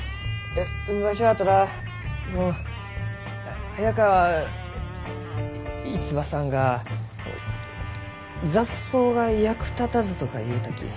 わしはただその早川逸馬さんが「雑草が役立たず」とか言うたき。